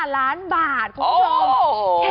๕ล้านบาทคุณผู้ชม